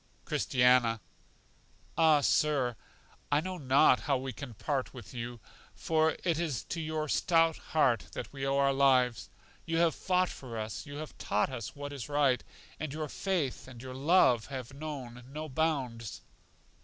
Christiana: Ah, Sir, I know not how we can part with you, for it is to your stout heart that we owe our lives. You have fought for us, you have taught us what is right, and your faith and your love have known no bounds.